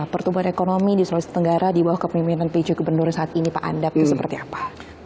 pertumbuhan ekonomi di sulawesi tenggara di bawah kepemimpinan pj gubernur saat ini pak andap itu seperti apa